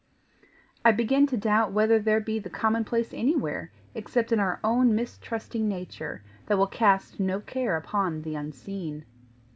I begin to doubt whether there be the common place anywhere except in our own mistrusting nature, that will cast no care upon the Unseen.